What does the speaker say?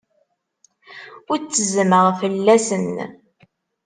Ur ttezzmeɣ fell-asen.